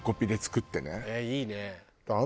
いいね。